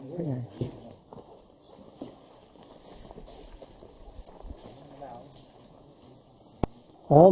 ไปตรงนี้ก็ได้